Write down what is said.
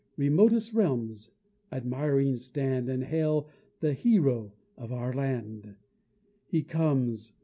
Remotest realms admiring stand, And hail the Hero of our land: He comes!